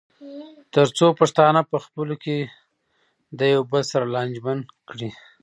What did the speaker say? تر څو پښتانه پخپلو کې د یو بل سره لانجمن کړي.